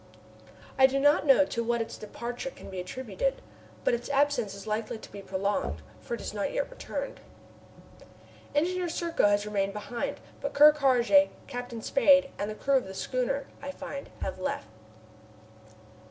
I do not know to what its departure can be attributed, but its absence is likely to be prolonged, for it has not yet returned. Engineer Serko has remained behind, but Ker Karraje, Captain Spade, and the crew of the schooner, I find, have left.